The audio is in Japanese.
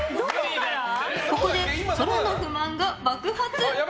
ここで、そらの不満が爆発。